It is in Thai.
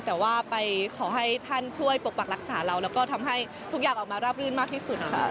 แต่ว่าไปขอให้ท่านช่วยปกปักรักษาเราแล้วก็ทำให้ทุกอย่างออกมาราบรื่นมากที่สุดค่ะ